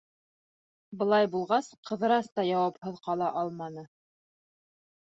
Былай булғас, Ҡыҙырас та яуапһыҙ ҡала алманы.